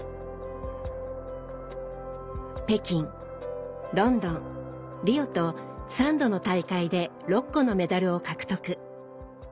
北京ロンドンリオと３度の大会で６個のメダルを獲得。